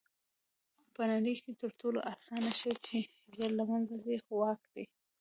په نړۍ کښي تر ټولو آسانه شى چي ژر له منځه ځي؛ واک دئ.